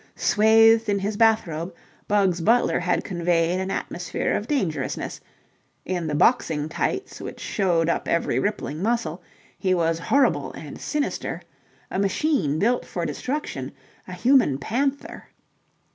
Swathed in his bath robe, Bugs Butler had conveyed an atmosphere of dangerousness: in the boxing tights which showed up every rippling muscle, he was horrible and sinister, a machine built for destruction, a human panther.